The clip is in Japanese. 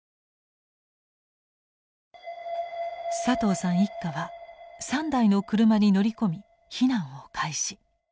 佐藤さん一家は３台の車に乗り込み避難を開始。